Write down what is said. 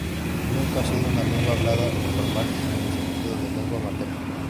Nunca ha sido una lengua hablada informal, en el sentido de lengua materna.